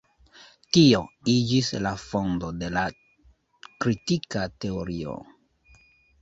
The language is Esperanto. Tio iĝis la fondo de la kritika teorio.